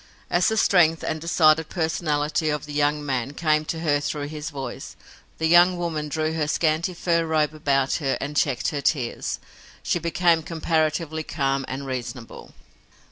As the strength and decided personality of the young man came to her through his voice, the young woman drew her scanty fur robe about her and checked her tears. She became comparatively calm and reasonable.